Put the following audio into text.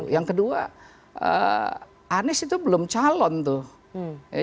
yang kedua anies itu belum calon tuh